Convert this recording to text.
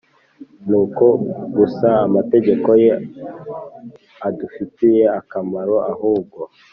N uko gusa amategeko ye adufitiye akamaro ahubwo